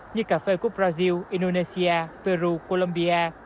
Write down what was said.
như cà phê của brazil indonesia peru colombia